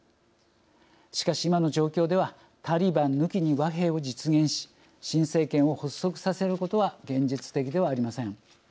しかし今の状況ではタリバン抜きに和平を実現し新政権を発足させることは現実的ではありません。